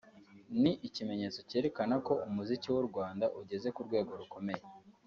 ni ikimenyetso cyerekana ko umuziki w’u Rwanda ugeze ku rwego rukomeye